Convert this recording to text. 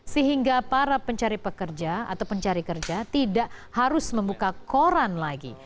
sehingga para pencari pekerja atau pencari kerja tidak harus membuka koran lagi